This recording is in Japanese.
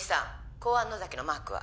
公安野崎のマークは？